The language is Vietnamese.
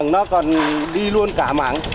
nó còn đi luôn cả mạng